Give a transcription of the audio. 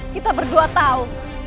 kita berdua tahu